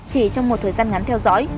chỉ trong một thời gian ngắn theo dõi